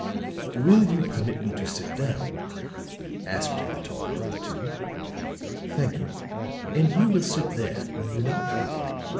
"Will you permit me to sit down?" asked the taller of the two. "Thank you; and you will sit there, will you not?"